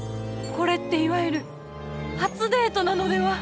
これっていわゆる「初デート」なのでは。